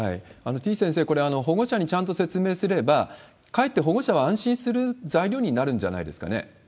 てぃ先生、これ、保護者にちゃんと説明すれば、かえって保護者は安心する材料にはなるんじゃないですかね。